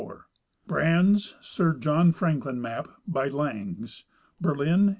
Brande's Sir John Franklin, map by Langes, Berlin, 1854.